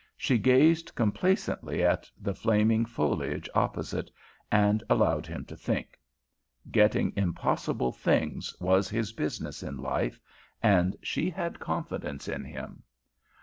She gazed complacently at the flaming foliage opposite, and allowed him to think. Getting impossible things was his business in life, and she had confidence in him.